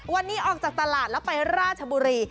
วันนี้ออกจากตลาดแล้วไปราชบุรี